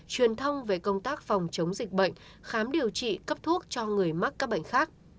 truyền thông về công tác phòng chống dịch bệnh khám điều trị cấp thuốc cho người mắc các bệnh khác